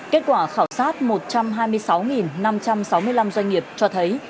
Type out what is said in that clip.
kết quả khảo sát một trăm hai mươi sáu năm trăm sáu mươi năm doanh nghiệp cho thấy